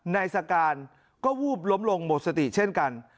นายสการก็วูบล้มลงหมดสติเช่นกัน